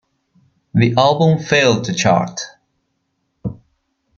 The album failed to chart.